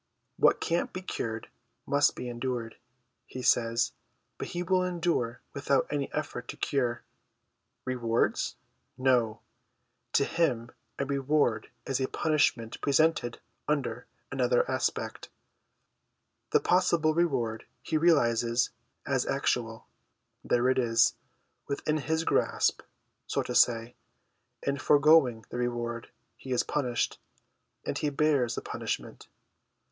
' What can't be cured must be endured/ he says, but he will endure without any effort to cure. Rewards ? No ; to him a reward is a punishment presented under another aspect: the possible reward he realises as actual ; there it is, within his grasp, so to say ; in foregoing the reward he is punished ; and he bears the punishment.